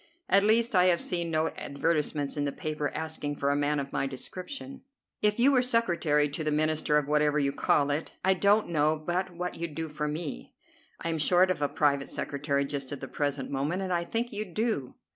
At least I have seen no advertisements in the papers, asking for a man of my description." "If you were secretary to the Minister of whatever you call it, I don't know but what you'd do for me. I am short of a private secretary just at the present moment, and I think you'd do."